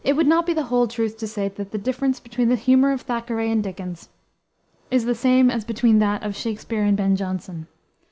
It would not be the whole truth to say that the difference between the humor of Thackeray and Dickens is the same as between that of Shakspere and Ben Jonson.